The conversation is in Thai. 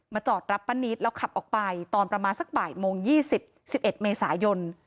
มาจอดรับป้านิดแล้วขับออกไปตอนประมาณสักบ่ายโมงยี่สิบสิบเอ็ดเมษายน